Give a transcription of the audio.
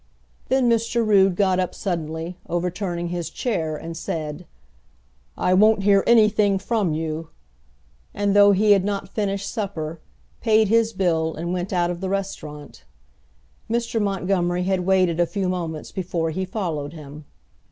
Then Mr. Rood got up suddenly, overturning his chair, and said, "I won't hear anything from you," and though he had not finished supper, paid his bill and went out of the restaurant. Mr. Montgomery had waited a few moments before he followed him.